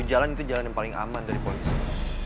itu jalan itu jalan yang paling aman dari polisi